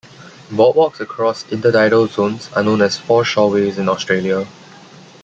Boardwalks along intertidal zones are known as foreshoreways in Australia.